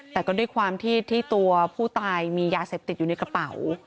แต่ก็ด้วยความที่ตัวผู้ตายมียาเสพติดอยู่ในกระเป๋า